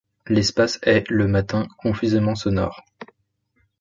L'espace est, le matin, confusément sonore ;